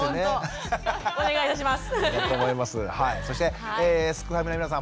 またお願いします。